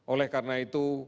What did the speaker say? oleh karena itu